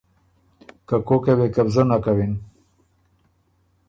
که کوکه وې قبضه نک کوِن۔